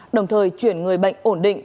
đồng thời chuyển người bệnh ổn định